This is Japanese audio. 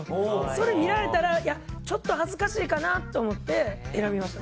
それ見られたらちょっと恥ずかしいかなと思って選びました。